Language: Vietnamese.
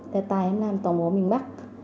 tại tại em làm tổng bộ miền bắc